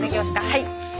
はい。